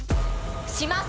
します！